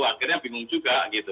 akhirnya bingung juga